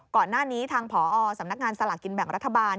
ก่อนหน้านี้ทางผอสำนักงานสลากกินแบ่งรัฐบาล